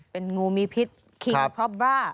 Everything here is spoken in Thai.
เป็นงูมีพิษคิงพอบ้า